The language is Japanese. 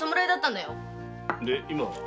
で今は？